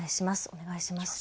お願いします。